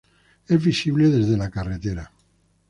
Es visible desde la carretera.